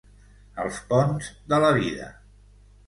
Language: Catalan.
Els ponts de la vida.